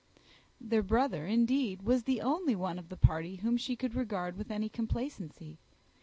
Their brother, indeed, was the only one of the party whom she could regard with any complacency.